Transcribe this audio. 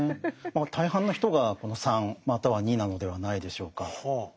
大半の人がこの３または２なのではないでしょうか。